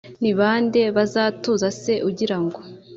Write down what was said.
ni bande bazatuza se ugirango